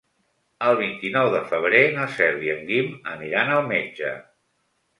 El vint-i-nou de febrer na Cel i en Guim aniran al metge.